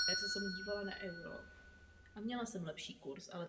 Jejím milencem byl též známý lingvista Edward Sapir.